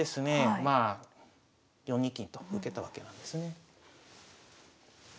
まあ４二金と受けたわけなんですね。